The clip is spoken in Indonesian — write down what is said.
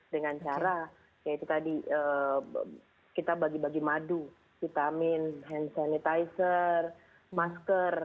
dengan cara kita bagi bagi madu vitamin hand sanitizer masker